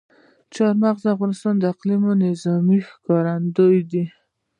چار مغز د افغانستان د اقلیمي نظام ښکارندوی ده.